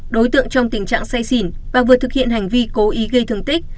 đối tượng trong tình trạng say xỉn và vừa thực hiện hành vi cố ý gây thương tích